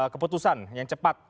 keputusan yang cepat